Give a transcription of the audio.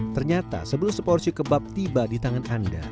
ternyata sebelum seporsi kebab tiba di tangan anda